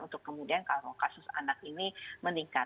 untuk kemudian kalau kasus anak ini meningkat